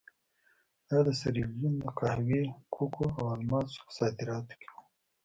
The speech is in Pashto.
دا د سیریلیون د قهوې، کوکو او الماسو په صادراتو کې وو.